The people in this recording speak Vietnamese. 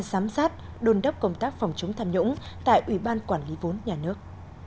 sám sát đôn đắp công tác phòng chống tham nhũng tại ủy ban quản lý vốn nhà nước